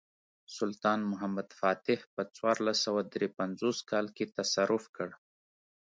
سلطان محمد فاتح په څوارلس سوه درې پنځوس کال کې تصرف کړ.